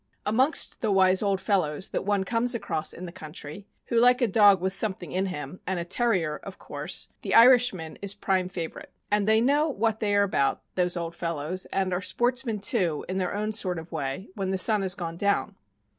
Amongst those wise old fellows that one comes across in the country, who like a dog with something in him, and a " Terrier," of course, the Irishman is prime favorite. And they know what they are about, those old fellows, and are sportsmen, too, in their own sort of way, when the sun has gone down.